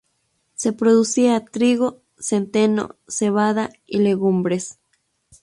Se producía trigo, centeno, cebada y legumbres.